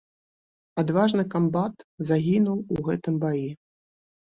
Адважны камбат загінуў у гэтым баі.